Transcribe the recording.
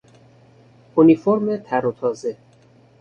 اونیفورم تر و تازه